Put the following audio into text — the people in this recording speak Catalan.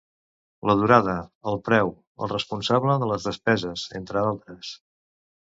La durada, el preu, el responsable de les despeses, entre d'altres.